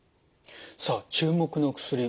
さあ注目の薬